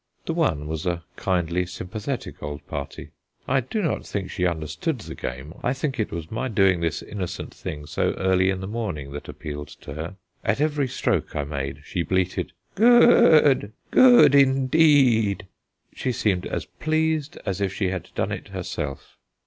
The one was a kindly, sympathetic old party. I do not think she understood the game; I think it was my doing this innocent thing so early in the morning that appealed to her. At every stroke I made she bleated: "Go o o d, go o o d ind e e d!" She seemed as pleased as if she had done it herself.